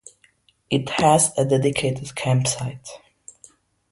It has a dedicated campsite.